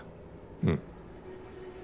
うん。